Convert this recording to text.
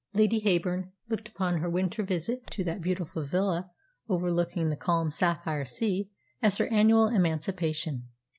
Lady Heyburn looked upon her winter visit to that beautiful villa overlooking the calm sapphire sea as her annual emancipation.